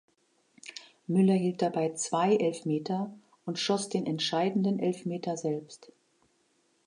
Müller hielt dabei zwei Elfmeter und schoss den entscheidenden Elfmeter selbst.